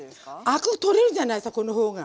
アク取れるじゃないこの方が。